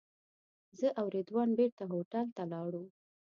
زه او رضوان بېرته هوټل ته لاړو.